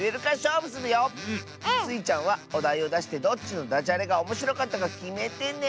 スイちゃんはおだいをだしてどっちのダジャレがおもしろかったかきめてね。